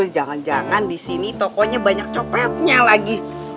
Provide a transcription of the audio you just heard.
jangan jangan di sini tokonya banyak copetnya lagi